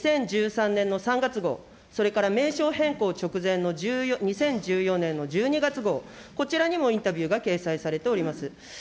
２０１３年の３月号、それから名称変更直前の２０１４年の１２月号、こちらにもインタビューが掲載されております。